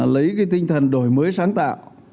lấy cái tinh thần đổi mới sáng tạo